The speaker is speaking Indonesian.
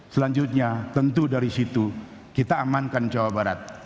selanjutnya tentu dari situ kita amankan jawa barat